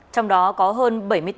trong đó có hơn bảy mươi bốn